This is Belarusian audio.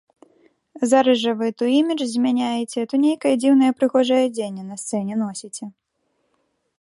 Зараз жа вы то імідж змяняеце, то нейкае дзіўнае, прыгожае адзенне на сцэне носіце.